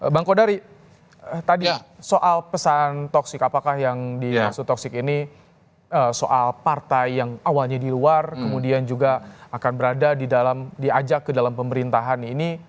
bang kodari tadi soal pesan toksik apakah yang dimaksud toxic ini soal partai yang awalnya di luar kemudian juga akan berada di dalam diajak ke dalam pemerintahan ini